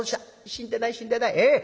死んでない死んでない。